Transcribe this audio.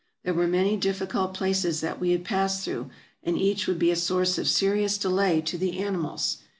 There were many difficult places that we had passed through, and each would be a source of serious delay to the animals.